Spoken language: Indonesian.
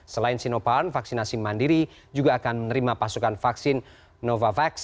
selain sinoparn vaksinasi mandiri juga akan menerima pasukan vaksin novavax